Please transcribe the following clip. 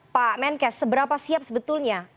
pak menkes seberapa siap sebetulnya